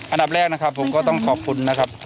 อันดับแรกนะครับผมก็ต้องขอบคุณนะครับ